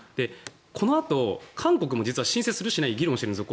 このあと韓国も実は申請するしないで議論しているんですよ。